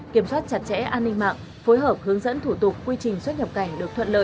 kiểm soát chặt chẽ an ninh mạng phối hợp hướng dẫn thủ tục quy trình xuất nhập cảnh được thuận lợi